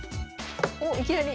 おっいきなり。